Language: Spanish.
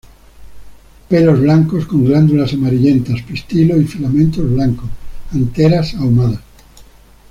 Pelos blancos con glándulas amarillentas; pistilo y filamentos blancos, anteras ahumadas.